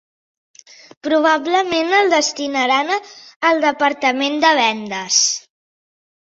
Probablement el destinaran al departament de vendes.